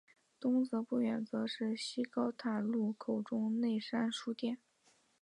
东侧不远则是施高塔路口的内山书店。